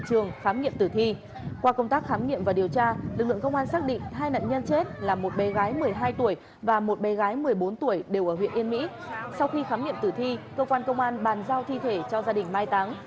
sau khi khám nghiệm tử thi công an công an bàn giao thi thể cho gia đình mai táng